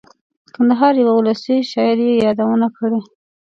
کندهار یوه اولسي شاعر یې یادونه کړې.